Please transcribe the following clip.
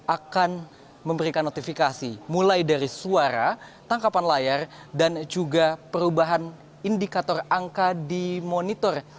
akan memberikan notifikasi mulai dari suara tangkapan layar dan juga perubahan indikator angka di monitor